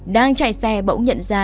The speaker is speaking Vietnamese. đang chạy xe bỗng nhận ra